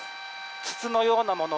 筒のようなもの